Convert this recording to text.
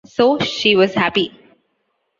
So she was happy.